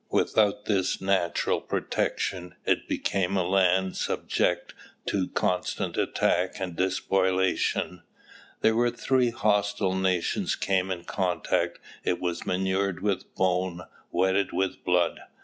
Without this natural protection it became a land subject to constant attack and despoliation. "There where three hostile nations came in contact it was manured with bones, wetted with blood.